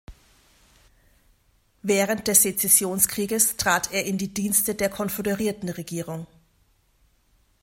Während des Sezessionskrieges trat er in die Dienste der Konföderierten-Regierung.